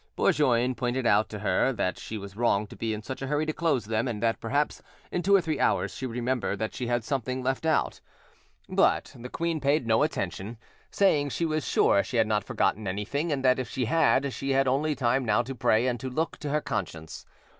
Bourgoin pointed out to her that she was wrong to be in such a hurry to close them, and that perhaps in two or three hours she would remember that she had left something out. But the queen paid no attention, saying she was sure she had not forgotten anything, and that if she had, she had only time now to pray and to look to her conscience.